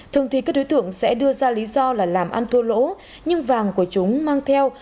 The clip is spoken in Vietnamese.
thường thì các đối tượng sẽ đưa ra lý do là làm ăn thua lỗ nhưng vàng của chúng mang theo